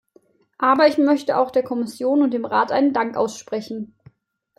Aber ich möchte auch der Kommission und dem Rat einen Dank aussprechen.